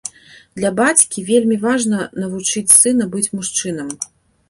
Для бацькі вельмі важна навучыць сына быць мужчынам.